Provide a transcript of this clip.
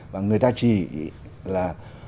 và người ta chỉ là